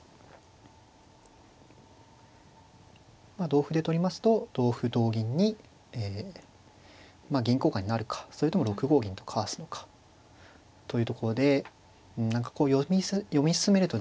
同歩で取りますと同歩同銀にえまあ銀交換になるかそれとも６五銀とかわすのかというところで何かこう読み進めるとですね